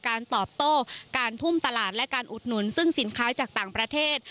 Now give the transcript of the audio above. การตอบโต้การทุ่มตลาดและการอุดหนุนซึ่งสินค้าจากต่างประเทศ